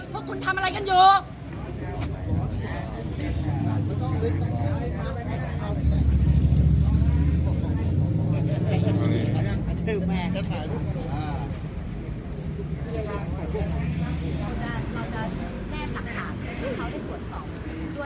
ว่าคุณทำอะไรกันอยู่